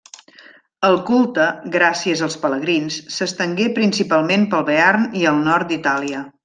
El culte, gràcies als pelegrins, s'estengué principalment pel Bearn i el nord d'Itàlia.